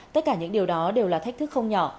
tất cả những điều đó đều là thách thức không nhỏ